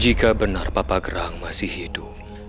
jika benar papa gerang masih hidup